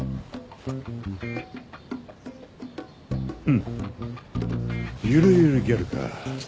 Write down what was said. フッゆるゆるギャルか。